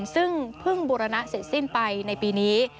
ซึ่งเพิ่งบูรณะเสร็จสิ้นไปในปีนี้